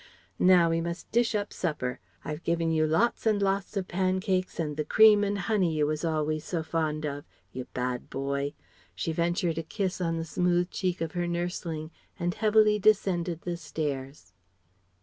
Now we must dish up supper. I've given you lots and lots of pancakes and the cream and honey you wass always so fond of you bad boy " She ventured a kiss on the smooth cheek of her nursling and heavily descended the stairs.